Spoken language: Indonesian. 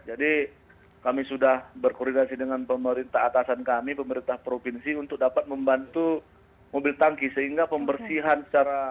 jadi kami sudah berkoordinasi dengan pemerintah atasan kami pemerintah provinsi untuk dapat membantu mobil tangki sehingga pembersihan secara massal dapat kami lakukan